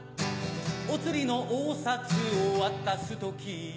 お釣りのお札を渡す時